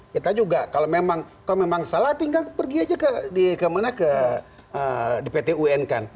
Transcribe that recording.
kita juga kalau memang salah tinggal pergi aja kemana ke di pt un kan